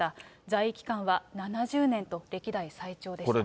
在位期間は７０年と歴代最長でした。